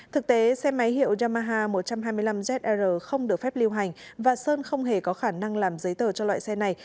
thực tế xe máy hiệu yamaha một trăm hai mươi năm ezr không được phép lưu hành và sơn không hề có khả năng làm giấy tờ cho loại xe này